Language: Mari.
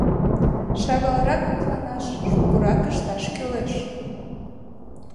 Шагалрак мутланаш, шукырак ышташ кӱлеш.